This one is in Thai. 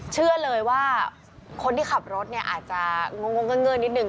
เชื่อเลยว่าคนที่ขับรถเนี่ยอาจจะงงเงื่อนนิดนึ